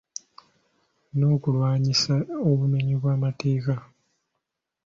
N'okulwanyisa obumenyi bw'amateeka.